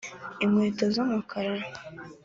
inkweto z'umukara